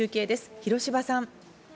広芝さん。